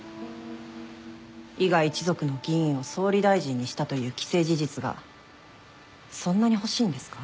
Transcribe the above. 伊賀一族の議員を総理大臣にしたという既成事実がそんなに欲しいんですか？